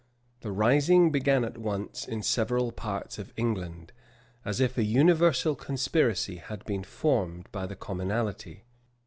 The rising began at once in several parts of England, as if a universal conspiracy had been formed by the commonalty.